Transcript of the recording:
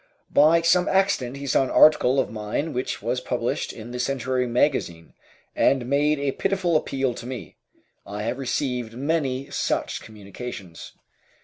By some accident he saw an article of mine which was published in the "Century Magazine," and made a pitiful appeal to me. I have received many such communications.